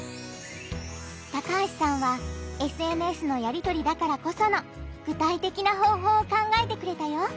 高橋さんはＳＮＳのやりとりだからこその具体的な方法を考えてくれたよ！